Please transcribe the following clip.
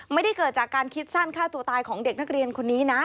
ไม่ได้เกิดจากการคิดสั้นฆ่าตัวตายของเด็กนักเรียนคนนี้นะ